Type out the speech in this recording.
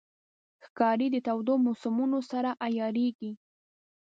ښکاري د تودو موسمونو سره عیارېږي.